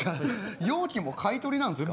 容器も買い取りなんすか？